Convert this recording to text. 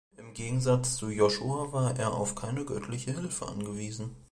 Im Gegensatz zu Joshua war er auf keine göttliche Hilfe angewiesen.